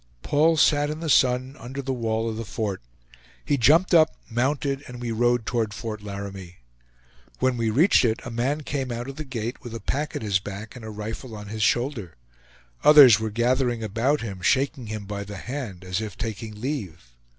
Paul sat in the sun, under the wall of the fort. He jumped up, mounted, and we rode toward Fort Laramie. When we reached it, a man came out of the gate with a pack at his back and a rifle on his shoulder; others were gathering about him, shaking him by the hand, as if taking leave.